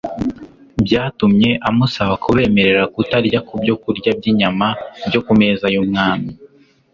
byatumye amusaba kubemerera kutarya ku byokurya by'inyama byo ku meza y'umwami